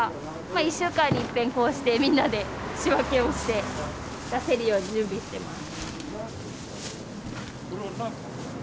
１週間にいっぺんこうしてみんなで仕分けをして出せるように準備してます。